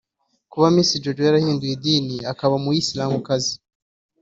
Kuba Miss Jojo yarahinduye idini akaba umusilamukazi